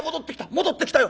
戻ってきたよ！